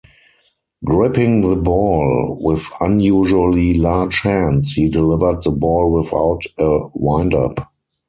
Gripping the ball with unusually large hands, he delivered the ball without a windup.